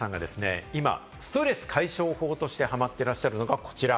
そんな桐谷さんが今ストレス解消法としてハマっていらっしゃるのが、こちら。